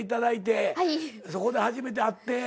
そこで初めて会って。